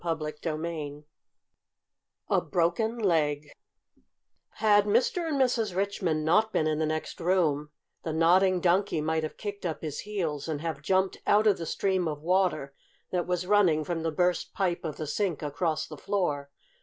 CHAPTER VIII A BROKEN LEG Had Mr. and Mrs. Richmond not been in the next room, the Nodding Donkey might have kicked up his heels and have jumped out of the stream of water that was running from the burst pipe of the sink across the floor.